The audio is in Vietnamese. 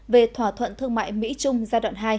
về thỏa thuận thương mại mỹ trung giai đoạn hai